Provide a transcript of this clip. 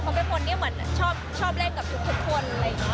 เพราะเป็นคนที่เหมือนชอบเล่นกับทุกคน